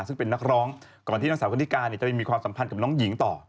ซึ่งเป็นนักร้องก่อนที่นางสาวกันนิกาจะไปมีความสัมพันธ์กับน้องหญิงต่อ